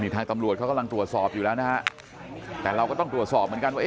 ทางตำรวจเขากำลังตรวจสอบอยู่แล้วนะฮะแต่เราก็ต้องตรวจสอบเหมือนกันว่า